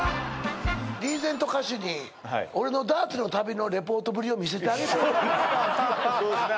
リーゼント歌手にはい俺の「ダーツの旅」のリポートぶりを見せてあげたいそうですね